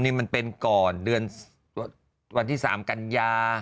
นี่มันเป็นก่อนเดือนวันที่๓กันยา